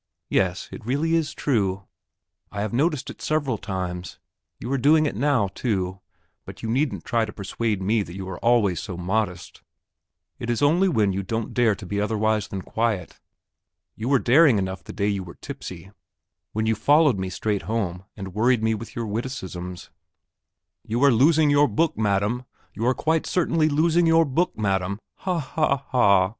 Yes, it is really true; I have noticed it several times; you are doing it now, too; but you needn't try to persuade me that you are always so modest; it is only when you don't dare to be otherwise than quiet. You were daring enough the day you were tipsy when you followed me straight home and worried me with your witticisms. 'You are losing your book, madam; you are quite certainly losing your book, madam!' Ha, ha, ha!